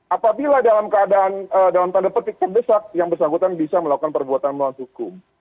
apabila dalam keadaan dalam tanda petik terdesak yang bersangkutan bisa melakukan perbuatan melawan hukum